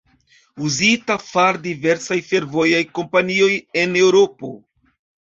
Uzita far diversaj fervojaj kompanioj en Eŭropo.